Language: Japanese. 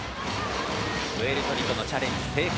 プエルトリコのチャレンジ成功。